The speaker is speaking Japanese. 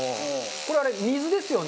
これ水ですよね？